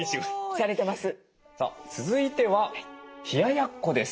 さあ続いては冷ややっこです。